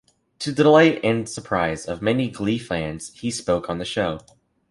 To the delight and surprise of many "Glee" fans, he spoke on the show.